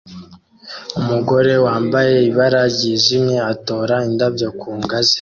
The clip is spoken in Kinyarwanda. Umugore wambaye ibara ryijimye atora indabyo ku ngazi